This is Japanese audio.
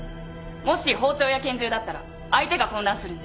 もし包丁や拳銃だったら相手が混乱するんじゃ。